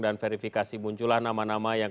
dan verifikasi munculan nama nama yang